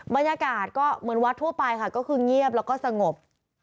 บรรยากาศก็เหมือนวัดทั่วไปค่ะก็คือเงียบแล้วก็สงบ